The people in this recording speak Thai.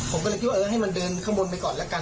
ผมก็เลยคิดว่าเออให้มันเดินข้างบนไปก่อนแล้วกัน